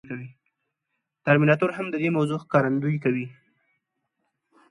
ترمیناتور هم د دې موضوع ښکارندويي کوي.